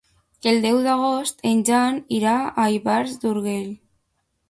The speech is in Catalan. El deu d'agost en Jan irà a Ivars d'Urgell.